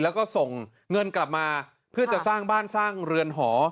แล้วก็ส่งเงินกลับมาเพื่อจะสร้างบ้านสร้างเรือนหอ